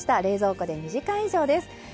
冷蔵庫で２時間以上です。